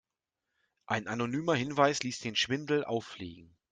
Ein anonymer Hinweis ließ den Schwindel auffliegen.